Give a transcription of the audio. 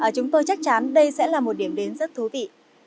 chúng tôi chắc chắn đây sẽ là một điểm đến rất thú vị